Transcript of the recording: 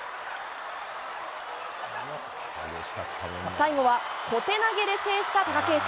最後は小手投げで制した貴景勝。